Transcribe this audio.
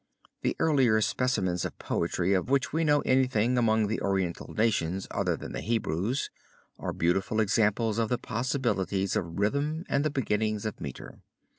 The earlier specimens of poetry of which we know anything among the Oriental nations other than the Hebrews, are beautiful examples of the possibilities of rhythm and the beginnings of meter.